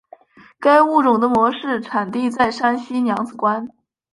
该物种的模式产地在山西娘子关。